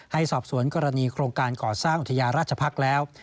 สอบสวนกรณีโครงการก่อสร้างอุทยาราชภักษ์แล้ว